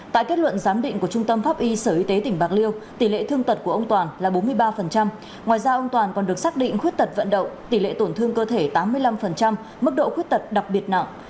tại kết luận giám định của trung tâm pháp y sở y tế tỉnh bạc liêu tỷ lệ thương tật của ông toàn là bốn mươi ba ngoài ra ông toàn còn được xác định khuyết tật vận động tỷ lệ tổn thương cơ thể tám mươi năm mức độ khuyết tật đặc biệt nặng